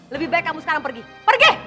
lebih baik kamu sekarang pergi pergi